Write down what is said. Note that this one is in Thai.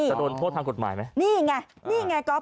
จะโดนโทษทางกฎหมายไหมนี่ไงนี่ไงก๊อฟ